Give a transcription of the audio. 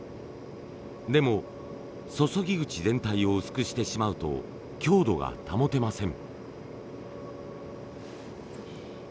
でも注ぎ口全体を薄くしてしまうと強度が保てません。